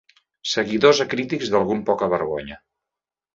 Seguidors acrítics d'algun poca-vergonya.